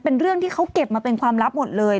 เป็นเรื่องที่เขาเก็บมาเป็นความลับหมดเลย